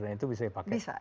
dan itu bisa dipakai